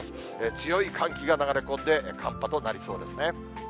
強い寒気が流れ込んで、寒波となりそうですね。